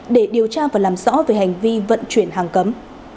để điều tra và làm rõ về hành vi vận chuyển hàng cấm